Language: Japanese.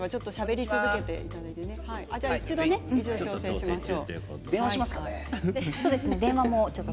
一度、調整をしましょう。